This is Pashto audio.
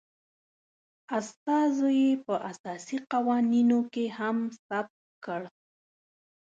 استازو یي په اساسي قوانینو کې هم ثبت کړ